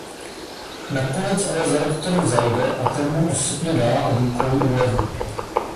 Nakonec ale za rektorem zajde a ten mu osobně dá od úkolů úlevu.